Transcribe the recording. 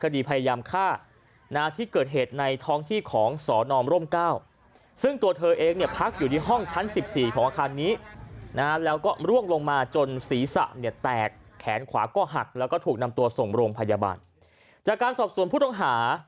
ลุงศีรษะเนี่ยแตกแขนขวาก็หักแล้วก็ถูกนำตัวส่งโรงพยาบาทจากการสอบสรุนพุทธวงฮา